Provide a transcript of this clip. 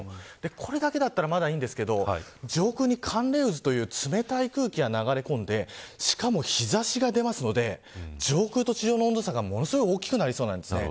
これだけだったらまだいいんですけど上空に寒冷渦という冷たい空気が流れ込んでしかも日差しが出るので上空と地上の温度差がものすごく大きくなりそうなんです。